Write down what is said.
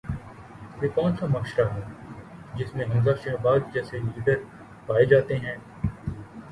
یہ کون سا معاشرہ ہے جس میں حمزہ شہباز جیسے لیڈر پائے جاتے ہیں؟